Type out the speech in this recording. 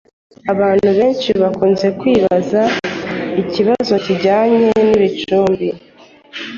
Abantu benshi bakunze kwibaza ikibazo kijyanye n’ibicumbi